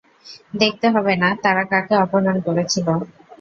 দেখতে হবে না তারা কাকে অপহরণ করেছিলো!